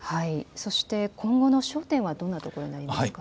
そして今後の焦点はどんなところになりますか。